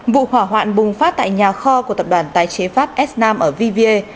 vụ hỏa hoạn bùng phát tại nhà kho của tập đoàn tái chế pháp s nam ở vva